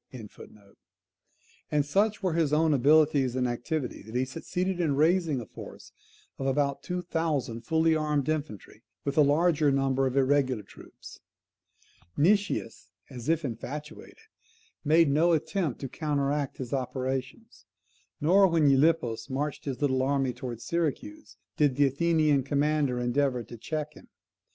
] and such were his own abilities and activity, that he succeeded in raising a force of about two thousand fully armed infantry, with a larger number of irregular troops. Nicias, as if infatuated, made no attempt to counteract his operations; nor, when Gylippus marched his little army towards Syracuse, did the Athenian commander endeavour to check him.